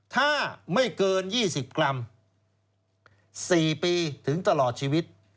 ถ้าไม่เกิน๒๐กรัม๔ปีถึงตลอดชีวิต